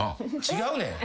違うねん。